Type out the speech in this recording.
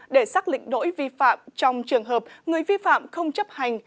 để xác lịnh đổi vi phạm trong trường hợp người vi phạm không chấp hành